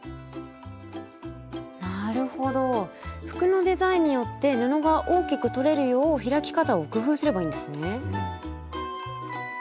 なるほど服のデザインによって布が大きくとれるよう開き方を工夫すればいいんですね。